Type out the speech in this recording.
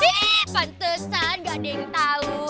eh pantesan gak ada yang tahu